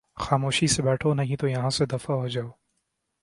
خاموشی سے بیٹھو نہیں تو یہاں سے دفعہ ہو جاؤ